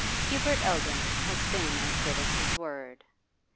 Hubert Eldon has been as good as his word.